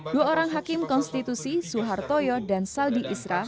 dua orang hakim konstitusi suhartoyo dan saldi isra